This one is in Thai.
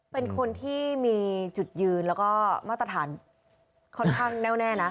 เป็นคนที่มีจุดยืนแล้วก็มาตรฐานค่อนข้างแน่วแน่นะ